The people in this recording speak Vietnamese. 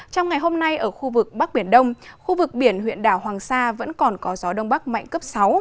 trong ngày hôm nay ở khu vực bắc biển đông khu vực biển huyện đảo hoàng sa vẫn còn có gió đông bắc mạnh cấp sáu